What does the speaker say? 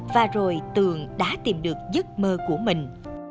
và rồi tường đã tìm được giấc mơ của mình